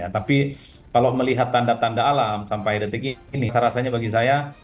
tapi kalau melihat tanda tanda alam sampai detik ini saya rasanya bagi saya